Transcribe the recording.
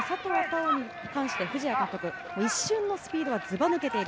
旺に関して、藤屋監督、一瞬のスピードはずば抜けている。